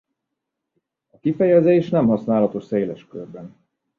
A kifejezés nem használatos széles körben.